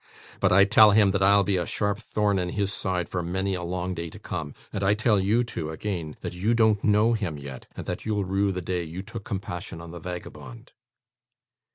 But I tell him that I'll be a sharp thorn in his side for many a long day to come; and I tell you two, again, that you don't know him yet; and that you'll rue the day you took compassion on the vagabond.